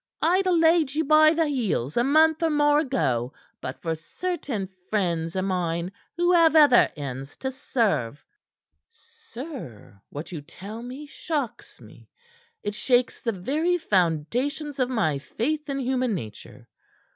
"I'd ha' laid you by the heels a month or more ago, but for certain friends o' mine who have other ends to serve." "Sir, what you tell me shocks me. It shakes the very foundations of my faith in human nature.